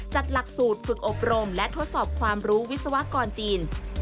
จัดหลักสูตรฝึกอบรมและทดสอบความรู้วิทยาลัยกรณ์จีน